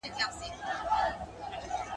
هغه له خپلې کورنۍ سره کندز ولایت ته کډه شو.